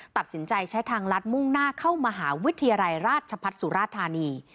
ตัดสินใจใช้ทางลัดมุ่งหน้าเข้ามหาวิทยาลัยราชพัฒน์สุราธานี